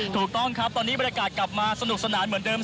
ถูกต้องครับตอนนี้บรรยากาศกลับมาสนุกสนานเหมือนเดิม